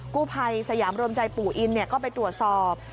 กู้ภัยสยามรวมใจปู่อินก็ไปตรวจสอบ